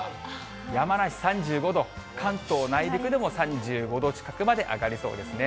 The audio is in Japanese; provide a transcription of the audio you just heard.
山梨３５度、関東内陸でも３５度近くまで上がりそうですね。